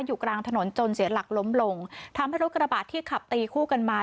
อยู่กลางถนนจนเสียหลักล้มลงทำให้รถกระบะที่ขับตีคู่กันมา